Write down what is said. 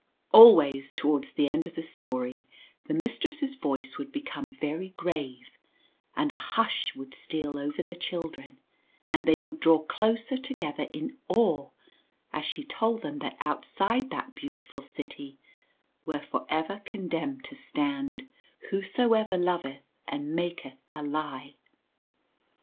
Always towards the end of the story, the Mistress's voice would become very grave, and a hush would steal over the children and they would draw closer together in awe as she told them that outside that beau tiful city were for ever condemned to stand " whosoever loveth and maketh a lie."